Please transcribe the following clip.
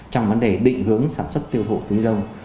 trong vấn đề định hướng sản xuất tiêu thụ túi ni lông